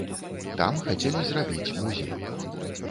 Там хацелі зрабіць музей.